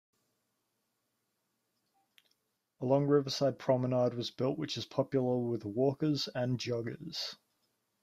A long riverside promenade was built which is popular with walkers and joggers.